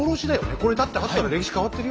これだってあったら歴史変わってるよ